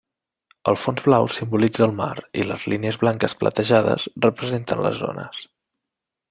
El fons blau simbolitza el mar i les línies blanques platejades representen les ones.